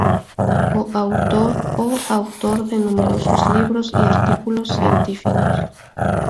Coautor o autor de numerosos libros y artículos científicos.